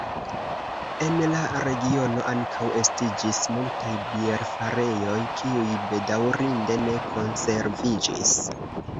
En la regiono ankaŭ estiĝis multaj bierfarejoj, kiuj bedaŭrinde ne konserviĝis.